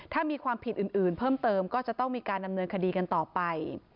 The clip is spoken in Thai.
ถ้ามีความผิดอื่นเพิ่มเติมก็จะต้องมีการดำเนินคดีกันต่อไป